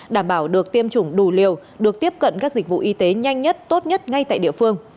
đảm bảo được tiêm chủng đủ liều được tiếp cận các dịch vụ y tế nhanh nhất tốt nhất ngay tại địa phương